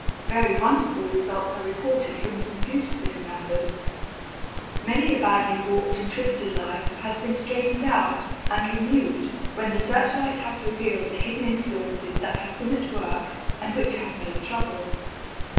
Very wonderful results are reported from the pursuit of this method. Many a badly warped and twisted life has been straightened out and renewed when the searchlight has revealed the hidden influences that have been at work and which have made trouble.